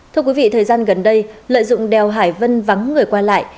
thưa quý vị thời gian gần đây lợi dụng đèo hải vân vắng người qua lại